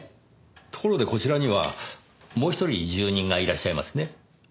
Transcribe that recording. ところでこちらにはもう一人住人がいらっしゃいますね。